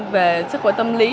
về sức khỏe tâm lý